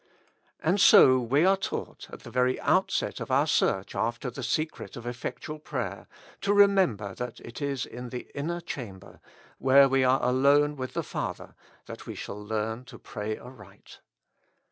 And so we are taught, at the very outset of our search after the secret of effectual prayer, to remember that it is in the inner chamber, where we are alone with the Father, that we shall learn to pray aright.